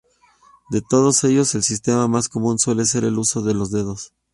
De todos ellos el sistema más común suele ser el uso de los dedos.